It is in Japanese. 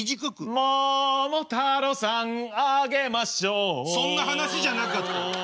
桃太郎さんあげましょうそんな話じゃなかったよ。